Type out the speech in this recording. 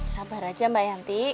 sabar aja mbak yanti